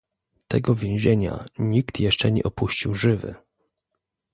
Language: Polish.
Tego więzienia nikt jeszcze nie opuścił żywy